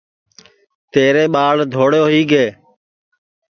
تیرے ٻاݪ دھوڑے ہوئی گے